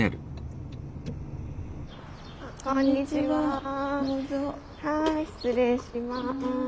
はい失礼します。